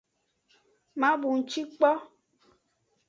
Ma bunci kpo.